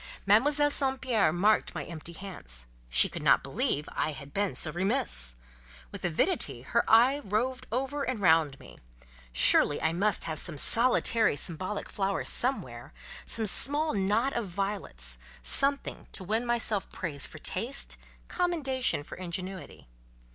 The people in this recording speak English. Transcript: Mademoiselle St. Pierre marked my empty hands—she could not believe I had been so remiss; with avidity her eye roved over and round me: surely I must have some solitary symbolic flower somewhere: some small knot of violets, something to win myself praise for taste, commendation for ingenuity.